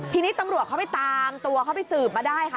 ทีนี้ตำรวจเขาไปตามตัวเขาไปสืบมาได้ค่ะ